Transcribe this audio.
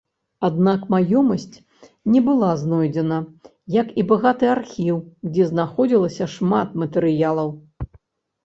Аднак, маёмасць не была знойдзена, як і багаты архіў, дзе знаходзілася шмат матэрыялаў.